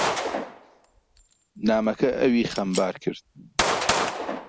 نامەکە ئەوی خەمبار کرد.